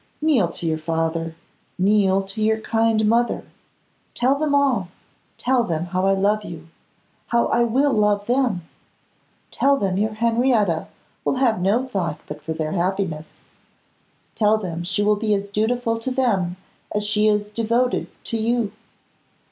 kneel to your father, kneel to your kind mother; tell them all, tell them how I love you, how I will love them; tell them your Henrietta will have no thought but for their happiness; tell them she will be as dutiful to them as she is devoted to you.